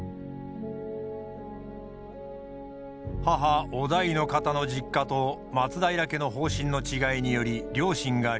母於大の方の実家と松平家の方針の違いにより両親が離縁。